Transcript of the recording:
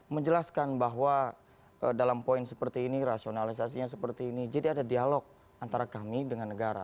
menjelaskan bahwa dalam poin seperti ini rasionalisasinya seperti ini jadi ada dialog antara kami dengan negara